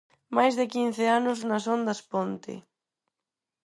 Máis de quince anos nas ondas Ponte...